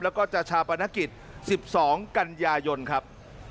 แล้วก็จะชาปนกิจ๑๒กันยายนครับ